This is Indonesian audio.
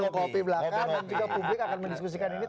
ada kopi belakang dan juga publik akan mendiskusikan ini